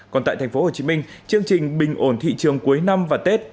còn tại tp hcm chương trình bình ổn thị trường cuối năm và tết